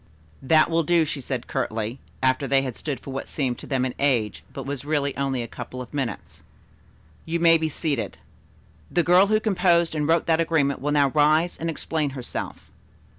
"That will do," she said curtly, after they had stood for what seemed to them an age, but was really only a couple of minutes. "You may be seated. The girl who composed and wrote that agreement will now rise and explain herself."